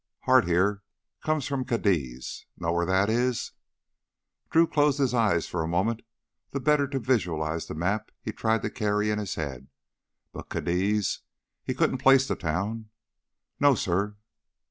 "Hart, here, comes from Cadiz. Know where that is?" Drew closed his eyes for a moment, the better to visualize the map he tried to carry in his head. But Cadiz he couldn't place the town. "No, suh."